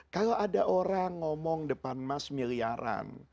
kalau ada orang ngomong depan mas miliaran